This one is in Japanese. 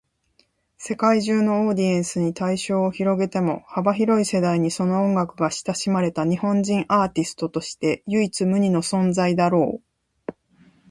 世界中のオーディエンスに対象を広げても、幅広い世代にその音楽が親しまれた日本人アーティストとして唯一無二の存在だろう。